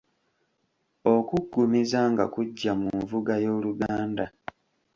Okuggumiza nga kujja mu nvuga y’Oluganda.